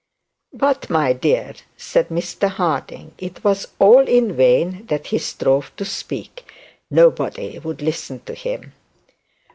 'But, my dear,' said Mr Harding. It was all in vain that he strove to speak; nobody would listen to him.